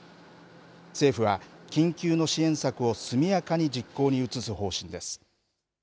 政府は緊急の支援策を速やかに実行に移す方針です。